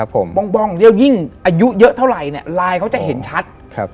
ผมบ้องแล้วยิ่งอายุเยอะเท่าไหร่เนี่ยลายเขาจะเห็นชัด